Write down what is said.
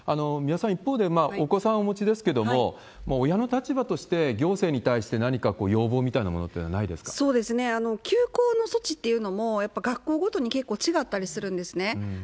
三輪さん、一方でお子さんお持ちですけれども、親の立場として、行政に対して何か要望みたいなも休校の措置っていうのも、やっぱり学校ごとに結構違ったりするんですね。